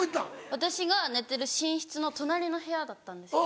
私が寝てる寝室の隣の部屋だったんですけど。